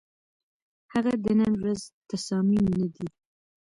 هغه د نن ورځ تصامیم نه دي،